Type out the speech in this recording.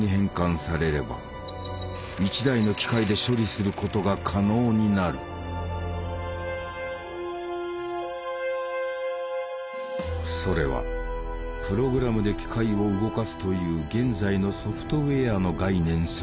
それはプログラムで機械を動かすという現在のソフトウェアの概念そのものだった。